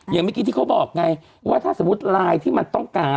อย่างเมื่อกี้ที่เขาบอกไงว่าถ้าสมมุติไลน์ที่มันต้องการ